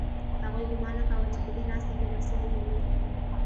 هغوی ګومان نه کاوه چې په دې ناسته کې به څه ومومي